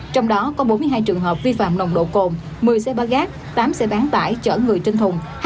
trong đó có bốn mươi hai trường hợp vi phạm nồng độ cồn một mươi xe ba gác tám xe bán tải chở người trên thùng